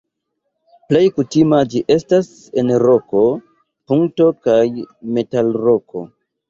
Plej kutima ĝi estas en roko, punko kaj metalroko.